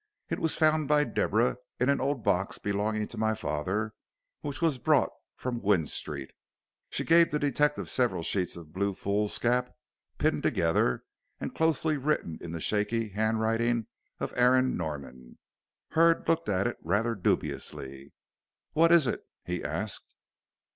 It was found by Deborah in an old box belonging to my father, which was brought from Gwynne Street." She gave the detective several sheets of blue foolscap pinned together and closely written in the shaky handwriting of Aaron Norman. Hurd looked at it rather dubiously. "What is it?" he asked.